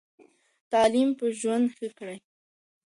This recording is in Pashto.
تعلیم به ژوند ښه کړي.